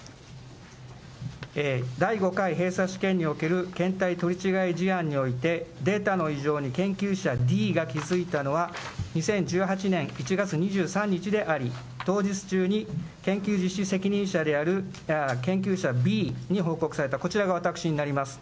第５回閉鎖試験における検体取り違え事案において、データの異常に研究者Ｄが気付いたのは２０１８年１月２３日であり、当日中に研究実施責任者である研究者Ｂに報告された、こちらが私になります。